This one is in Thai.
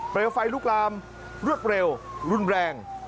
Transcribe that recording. เปลี่ยวไฟลูกรามลือกเร็วรุนแรง